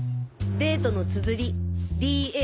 デートのつづりＤＡＴＥ。